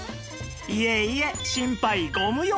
いえいえ心配ご無用！